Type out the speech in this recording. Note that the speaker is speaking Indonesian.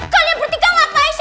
kalian berarti kan ngapain sih